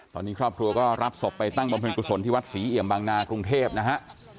ตอนนี้ครอบครัวก็รับศพไปตั้งบำเพ็ญกุศลที่วัดศรีเอี่ยมบางนากรุงเทพนะฮะ